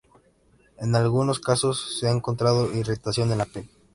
En algunos casos se ha encontrado irritación en la piel.